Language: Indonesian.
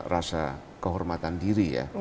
rasa kehormatan diri